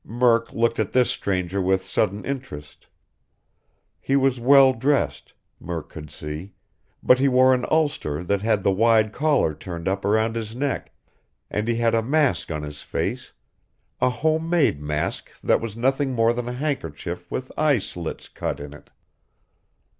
Murk looked at this stranger with sudden interest. He was well dressed, Murk could see, but he wore an ulster that had the wide collar turned up around his neck, and he had a mask on his face a home made mask that was nothing more than a handkerchief with eye slits cut in it.